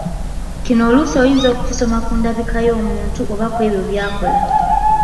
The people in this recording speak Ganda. Kino oluusi oyinza okukisoma okuva ku ndabika y'omuntu oba kw'ebyo by'akola.